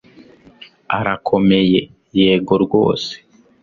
arakomeye, yego rwose